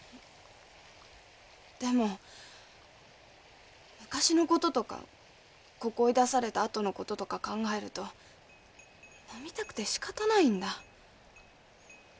でも昔の事とかここ追い出されたあとの事とか考えると飲みたくてしかたないんだ。